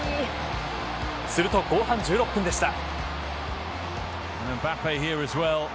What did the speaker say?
すると、後半１６分でした。